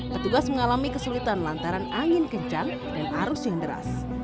petugas mengalami kesulitan lantaran angin kencang dan arus yang deras